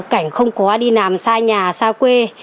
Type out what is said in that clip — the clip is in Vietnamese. cảnh không có đi nằm xa nhà xa quê